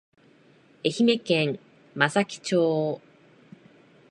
愛媛県松前町